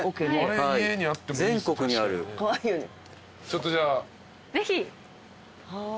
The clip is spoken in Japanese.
ちょっとじゃあ。